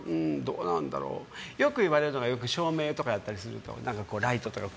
よく言われるのが照明とかやったりするとライトとか。